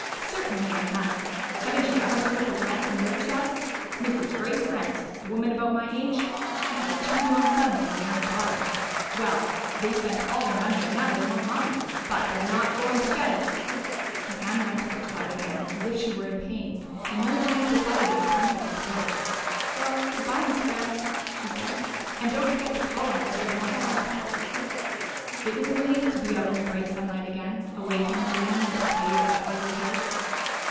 "Certainly I have. Haven't you ever heard of the Grants in Riverside? Mrs. Grace Grant a woman about my age? She has two grown sons and a married daughter. Well, they spent all their money, and now they want mine. But they're not going to get it!" Her hand went to her side again, as if she were in pain, and Mary Louise decided it was time for them to go. "Well, good bye, Miss Grant," she said. "And don't forget to call on us if you want help." It was a relief to be out in the bright sunlight again, away from the gloom and the decay of that ugly house.